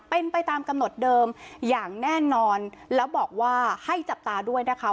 เป็นไปตามกำหนดเดิมอย่างแน่นอนแล้วบอกว่าให้จับตาด้วยนะคะ